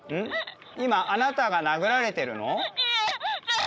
今あなたが殴られてるの？